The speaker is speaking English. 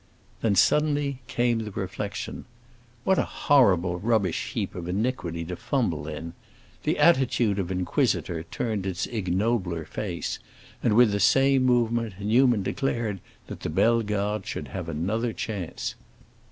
Then, suddenly, came the reflection—What a horrible rubbish heap of iniquity to fumble in! The attitude of inquisitor turned its ignobler face, and with the same movement Newman declared that the Bellegardes should have another chance.